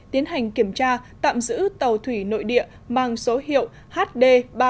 tiến hành kiểm tra tạm giữ tàu thủy nội địa mang số hiệu hd ba nghìn một trăm sáu mươi tám